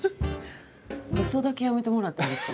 うそだけやめてもらっていいですか。